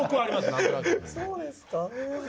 何となく。